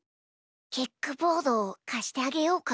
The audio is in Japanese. キックボードかしてあげようか？